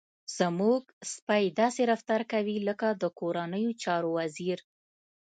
زموږ سپی داسې رفتار کوي لکه د کورنیو چارو وزير.